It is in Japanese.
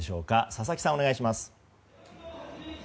佐々木さん、お願いします。